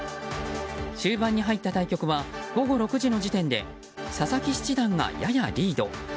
終盤に入った対局は午後６時の時点で佐々木七段がややリード。